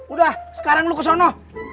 udah sekarang lu ke sana